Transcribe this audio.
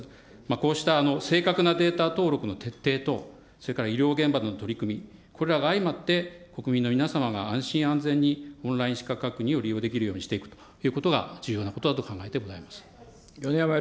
こうした正確なデータ登録の徹底と、それから医療現場での取り組み、これらが相まって、国民の皆様が安心安全にオンライン資格確認を利用できるようにしていくということが重要なことだと考えてございます。